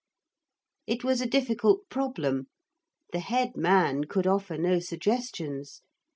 It was a difficult problem. The head man could offer no suggestions.